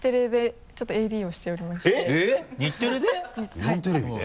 日本テレビで？